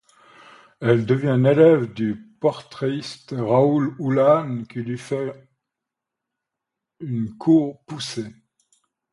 Elle devient une élève du portraitiste Raoul Uhlan, qui lui fait une cour poussée.